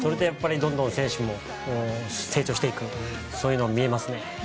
どんどん選手も成長していくそういうのが見えますね。